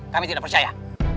kami tidak percaya